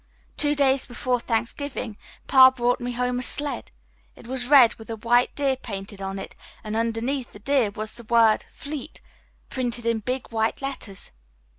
Two days before Thanksgiving Pa brought me home a sled. It was red with a white deer painted on it and underneath the deer was the word 'Fleet,' printed in big white letters.